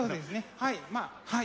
はいまあはい。